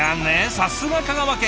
さすが香川県。